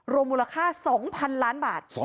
มูลค่า๒๐๐๐ล้านบาท